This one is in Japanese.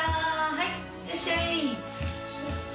はいいってらっしゃい！